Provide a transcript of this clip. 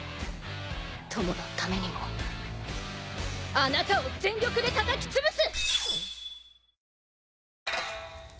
友のためにもあなたを全力で叩き潰す！